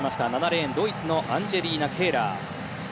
７レーン、ドイツのアンジェリーナ・ケーラー。